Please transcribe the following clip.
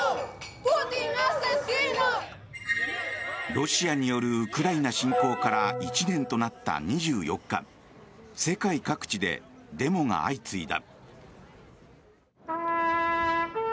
ロシアによるウクライナ侵攻から１年となった２４日世界各地でデモが相次いだ。